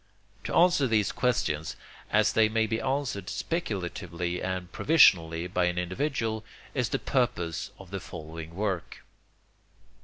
To answer these questions, as they may be answered speculatively and provisionally by an individual, is the purpose of the following work.